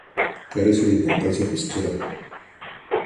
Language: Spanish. Carece de importancia pesquera.